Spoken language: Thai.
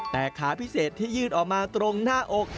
แต่ขาพิเศษที่ยืดออกมาตรงหน้าอก